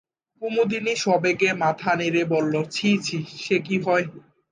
কুমুদিনী সবেগে মাথা নেড়ে বললে, ছি ছি, সে কি হয়?